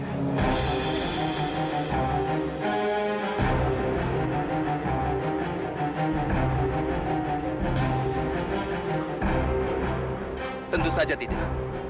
ini vikin kshw ajau qiden